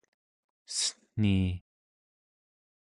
cen̄ii